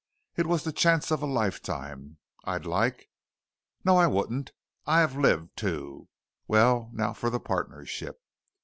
It was the chance of a lifetime. I'd like no I wouldn't! I've lived, too. Well, now for the partnership.